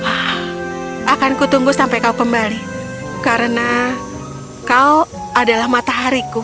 ah akan ku tunggu sampai kau kembali karena kau adalah matahariku